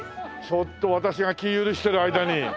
ちょっと私が気ぃ許してる間に。